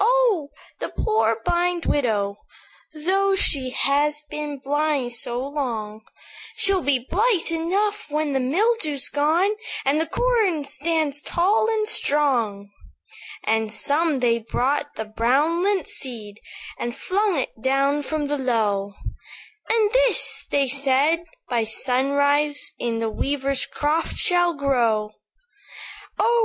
"'Oh! the poor, blind widow, Though she has been blind so long, She'll be blithe enough when the mildew's gone, And the corn stands tall and strong.' "And some they brought the brown lint seed, And flung it down from the Low; 'And this,' they said, 'by sunrise, In the weaver's croft shall grow. "'Oh!